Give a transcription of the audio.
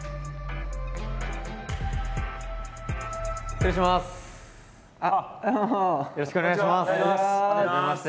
失礼します！